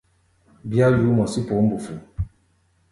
Bíá yuú mɔ sí poó mbufu.